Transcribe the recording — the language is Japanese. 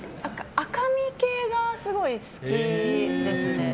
赤身系がすごい好きですね。